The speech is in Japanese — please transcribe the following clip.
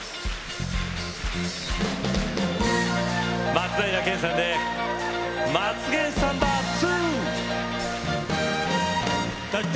松平健さんで「マツケンサンバⅡ」。